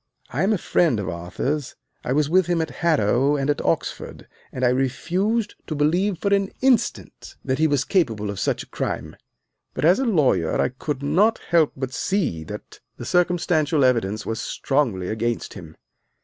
I am a friend of Arthur's, I was with him at Harrow and at Oxford, and I refused to believe for an instant that he was capable of such a crime; but as a lawyer I could not help but see that the circumstantial evidence was strongly against him.